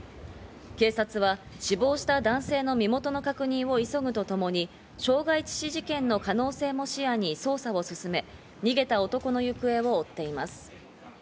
警察は死亡した男性の身元の確認を急ぐとともに傷害致死事件の可能性も視野に捜査を進め、逃げた男の行方を追っています。